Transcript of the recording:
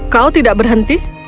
kau tidak berhenti